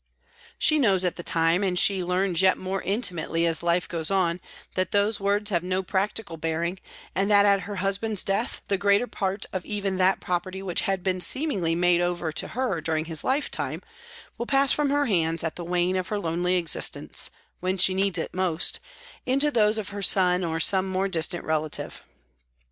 She knows at the time and she learns yet more intimately as life goes on that those words have no practical bearing, and that at her husband's death the greater part of even that property which had been seemingly made over to her during his life time will pass from her hands at the wane of her lonely existence, when she needs it most, into those of her son or some more distant relative.